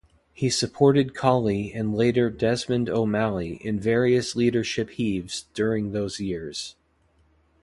He supported Colley and later Desmond O'Malley in various leadership heaves during those years.